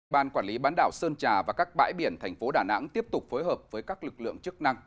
ban quản lý bán đảo sơn trà và các bãi biển thành phố đà nẵng tiếp tục phối hợp với các lực lượng chức năng